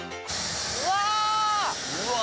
うわ！